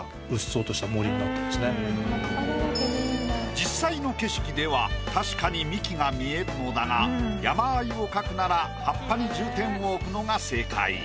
実際の景色では確かに幹が見えるのだが山あいを描くなら葉っぱに重点を置くのが正解。